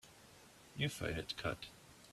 You fight it cut.